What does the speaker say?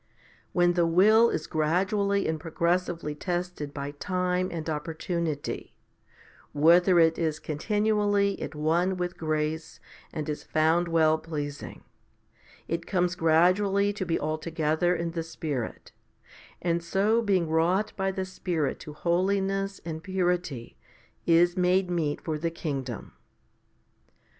When the will is gradually and progressively tested by time and oppor tunity, whether it is continually at one with grace and is found well pleasing, it comes gradually to be altogether in the Spirit, and so being wrought by the Spirit to holiness and purity is made meet for the kingdom.